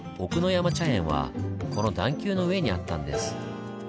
山茶園はこの段丘の上にあったんです。